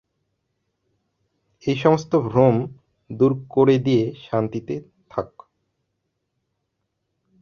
এই সমস্ত ভ্রম দূর করে দিয়ে শান্তিতে থাক।